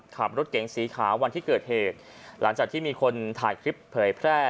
ขับรถเก๋งสีขาววันที่เกิดเหตุหลังจากที่มีคนถ่ายคลิปเผยแพร่